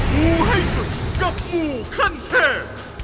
งูให้สุดกับงูขั้นเทพ